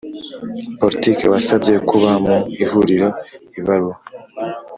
Politiki wasabye kuba mu ihuriro ibaruwa